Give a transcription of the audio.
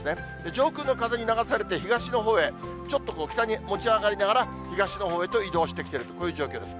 上空の風に流されて、東のほうへちょっと北に持ち上がりながら、東のほうへと移動してきているというこういう状況です。